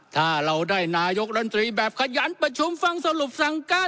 ถ้าเราได้นายกรัฐมนตรีแบบขยันประชุมฟังสรุปสั่งการ